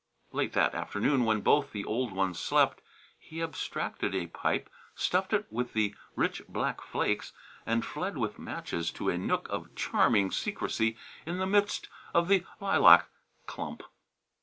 Late that afternoon, when both the old ones slept, he abstracted a pipe, stuffed it with the rich black flakes and fled with matches to a nook of charming secrecy in the midst of the lilac clump.